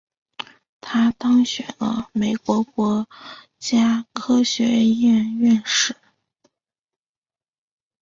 他当选了美国国家科学院院士。